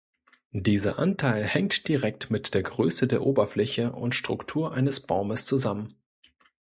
Dieser Anteil hängt direkt mit der Größe der Oberfläche und Struktur eines Baumes zusammen.